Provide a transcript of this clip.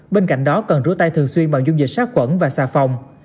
bên cạnh đó cần rửa tay thường xuyên bằng dung dịch sát khuẩn và xà phòng